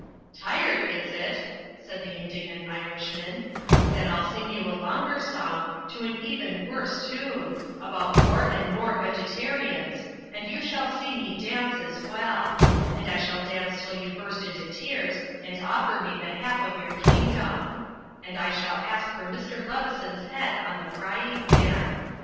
"Tired, is it?" said the indignant Irishman, "then rU sing you a longer song, to an even worse tune, about more and more vegetarians, and you shall see me dance as well ; and I will dance till you burst into tears and offer me the half of yoiu* kingdom; and I shall ask for Mr. Leveson's head on the frying pan.